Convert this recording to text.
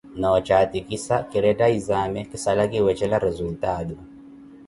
Noocatikhisa kiretta izame kisala kiwecela resultaatu.